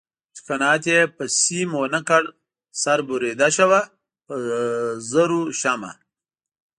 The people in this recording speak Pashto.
چې قناعت یې په سیم و نه کړ سر بریده شوه په زرو شمع